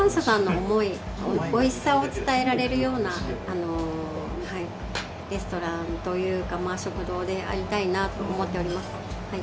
生産者さんの思い、おいしさを伝えられるようなレストランというか食堂でありたいなと思っております。